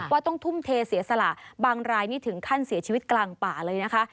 ว่าต้องทุ่มเทเสียสละบางรายนี่ถึงขั้นเสียชีวิตกลางป่าเลยนะคะ